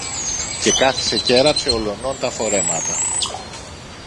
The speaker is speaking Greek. και καθησε κι έραψε ολονών τα φορέματα.